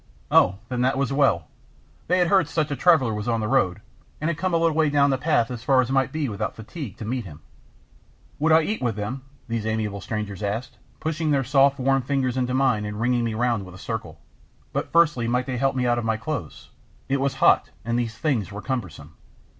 "Oh, then that was well. They had heard such a traveller was on the road, and had come a little way down the path, as far as might be without fatigue, to meet him." "Would I eat with them?" these amiable strangers asked, pushing their soft warm fingers into mine and ringing me round with a circle. "But firstly might they help me out of my clothes? It was hot, and these things were cumbersome."